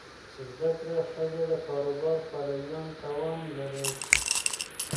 زده کړه ښځه د کاروبار پیلولو توان لري.